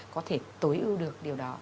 có thể tối ưu được điều đó